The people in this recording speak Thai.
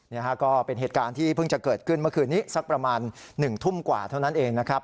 ก็เป็นเหตุการณ์ที่เพิ่งจะเกิดขึ้นเมื่อคืนนี้สักประมาณ๑ทุ่มกว่าเท่านั้นเองนะครับ